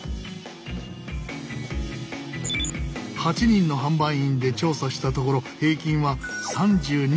８人の販売員で調査したところ平均は３２．２℃。